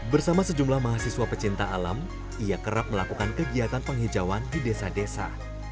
bersama sejumlah mahasiswa pecinta alam ia kerap melakukan kegiatan penghijauan di desa desa